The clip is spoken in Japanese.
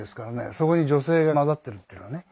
そこに女性が交ざってるっていうようなね。